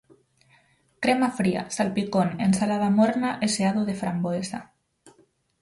Crema fría, salpicón, ensalada morna e xeado de framboesa.